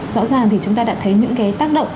rõ ràng thì chúng ta đã thấy những cái tác động